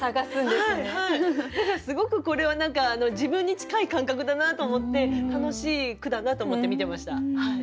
だからすごくこれは何か自分に近い感覚だなと思って楽しい句だなと思って見てました。